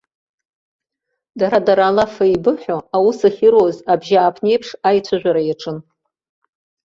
Дара-дара алаф еибыҳәо, аус ахьыруаз абжьааԥнеиԥш аицәажәара иаҿын.